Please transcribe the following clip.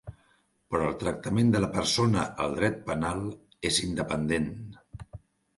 Però el tractament de la persona al dret penal és independent.